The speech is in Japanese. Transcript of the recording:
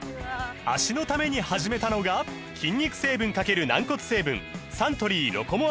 脚のために始めたのが筋肉成分×軟骨成分サントリー「ロコモア」です